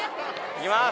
いきます！